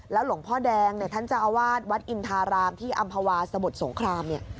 แล้วหลงพ่อแดงท่านจาวาทวัดอินทารามที่อำภาวาสมุทรสงคราม